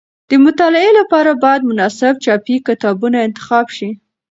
د مطالعې لپاره باید مناسب چاپي کتابونه انتخاب شي.